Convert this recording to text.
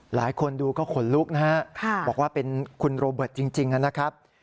หลายคนดูก็ขนลุกนะฮะบอกว่าเป็นคุณโรเบิร์ตจริงนะครับ